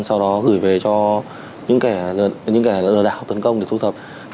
sau đó gửi về cho những kẻ lừa đảo tấn công để thu thập